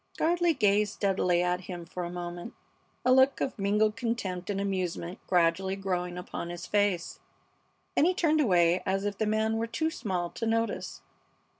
Gardley gazed steadily at him for a moment, a look of mingled contempt and amusement gradually growing upon his face. Then he turned away as if the man were too small to notice.